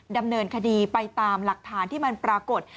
ดำเนินคดีไปตามหลักฐานที่มันปรากฏ